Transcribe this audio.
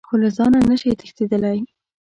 خو له ځانه نه شئ تښتېدلی .